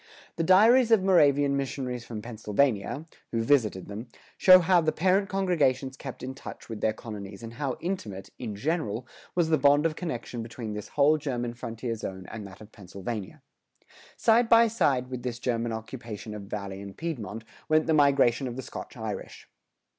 The diaries of Moravian missionaries from Pennsylvania, who visited them, show how the parent congregations kept in touch with their colonies[102:4] and how intimate, in general, was the bond of connection between this whole German frontier zone and that of Pennsylvania. Side by side with this German occupation of Valley and Piedmont, went the migration of the Scotch Irish.